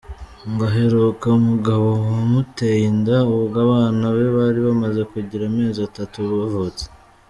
Ngo aheruka umugabo wamuteye inda ubwo abana be bari bamaze kugira amezi atatu bavutse.